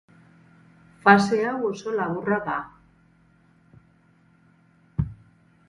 Fase hau oso laburra da.